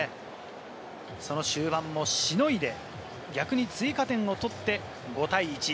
その終盤もしのいで、逆に追加点を取って５対１。